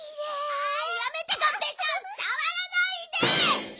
ああやめてがんぺーちゃんさわらないで！